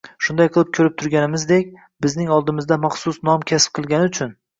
Shunday qilib, ko‘rib turganimizdek, bizning oldimizda maxsus nom kasb qilgani uchun